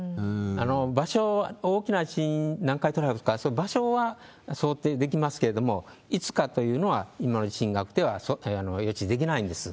場所、大きな地震、南海トラフとか、場所は想定できますけれども、いつかというのは、今の地震学では予知できないんです。